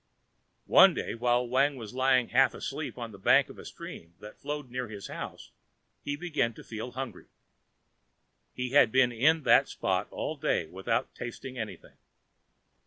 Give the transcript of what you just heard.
One day while Wang was lying half asleep on the bank of a stream that flowed near his house he began to feel hungry. He had been in that spot all day without tasting anything.